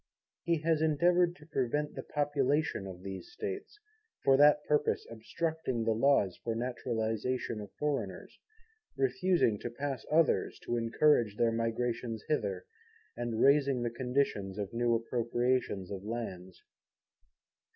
He has endeavoured to prevent the population of these States; for that purpose obstructing the Laws of Naturalization of Foreigners; refusing to pass others to encourage their migration hither, and raising the conditions of new Appropriations of Lands.